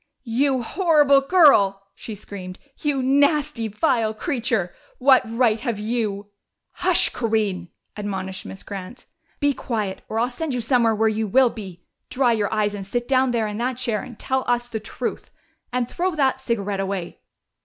"You horrible girl!" she screamed. "You nasty, vile creature! What right have you " "Hush, Corinne!" admonished Miss Grant. "Be quiet, or I'll send you somewhere where you will be! Dry your eyes and sit down there in that chair and tell us the truth. And throw that cigarette away!"